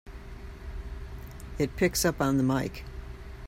It picks up on the mike!